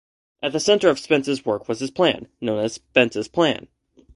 At the centre of Spence's work was his Plan, known as 'Spence's Plan'.